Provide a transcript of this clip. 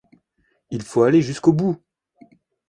Il faut aller jusqu’au bout.